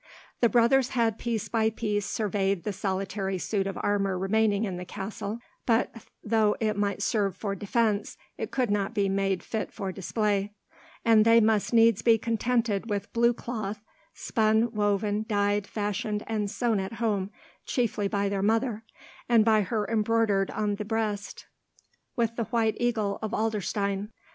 The brothers had piece by piece surveyed the solitary suit of armour remaining in the castle; but, though it might serve for defence, it could not be made fit for display, and they must needs be contented with blue cloth, spun, woven, dyed, fashioned, and sewn at home, chiefly by their mother, and by her embroidered on the breast with the white eagle of Adlerstein.